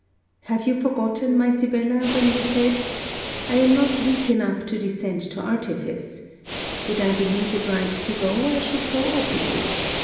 Have you forgotten, my Sibella, when you said 'I am not weak enough to descend to artifice. Did I believe it right to go, I should go openly.